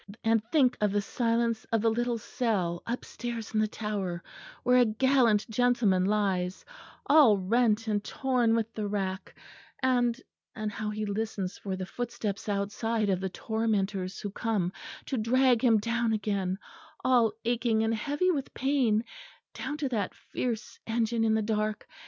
And think of the silence of the little cell upstairs in the Tower; where a gallant gentleman lies, all rent and torn with the rack; and, and how he listens for the footsteps outside of the tormentors who come to drag him down again, all aching and heavy with pain, down to that fierce engine in the dark.